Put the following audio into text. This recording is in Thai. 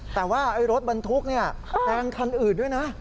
แต่ว่ารถบรรทุกเนี่ยแรงคันอื่นด้วยนะ